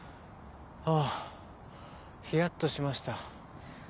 ああひやっとしました。